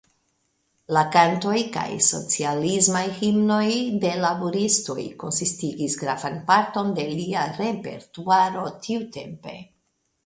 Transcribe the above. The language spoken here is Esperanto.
La kantoj kaj socialismaj himnoj de laboristoj konsistigis gravan parton de lia repertuaro tiutempe.